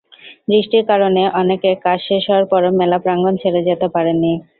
বৃষ্টির কারণে অনেকে কাজ শেষ হওয়ার পরও মেলা প্রাঙ্গণ ছেড়ে যেতে পারেননি।